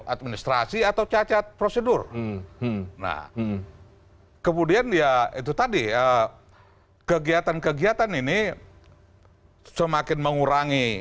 administrasi atau cacat prosedur nah kemudian ya itu tadi kegiatan kegiatan ini semakin mengurangi